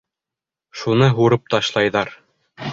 Шуны һурып ташлайҙар.